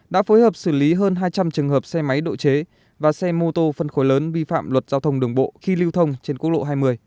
đã phối hợp xử lý hơn hai trăm linh trường hợp xe máy độ chế và xe mô tô phân khối lớn vi phạm luật giao thông đường bộ khi lưu thông trên quốc lộ hai mươi